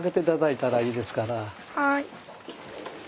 はい。